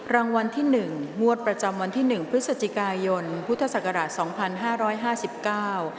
รางวัลที่หนึ่งงวดประจำวันที่หนึ่งพฤศจิกายนพุทธศักราชสองพันห้าร้อยห้าสิบเก้า